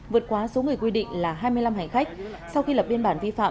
vượt qua số người quy định là hai mươi năm hành khách